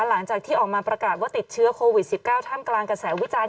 หลังจากที่ออกมาประกาศว่าติดเชื้อโควิด๑๙ท่ามกลางกระแสวิจารณ